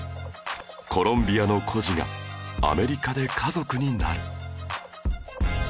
コロンビアの孤児がアメリカで家族になる